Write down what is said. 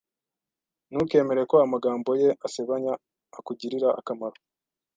Ntukemere ko amagambo ye asebanya akugirira akamaro.